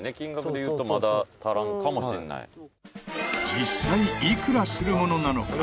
実際いくらするものなのか？